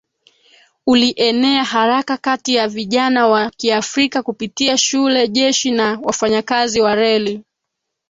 ulienea haraka kati ya vijana Wa kiafrika kupitia shule jeshi na wafanyakazi wa reli